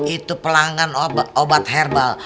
itu pelanggan obat herbal